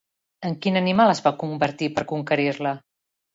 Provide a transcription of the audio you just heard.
En quin animal es va convertir per conquerir-la?